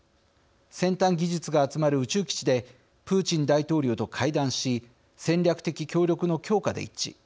先端技術が集まる宇宙基地でプーチン大統領と会談し戦略的協力の強化で一致。